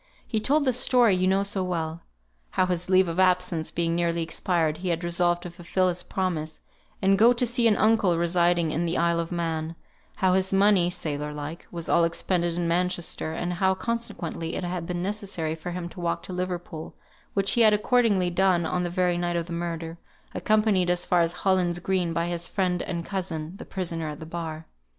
He told the story you know so well: how his leave of absence being nearly expired, he had resolved to fulfil his promise, and go to see an uncle residing in the Isle of Man; how his money (sailor like) was all expended in Manchester, and how, consequently, it had been necessary for him to walk to Liverpool, which he had accordingly done on the very night of the murder, accompanied as far as Hollins Greeb by his friend and cousin, the prisoner at the bar.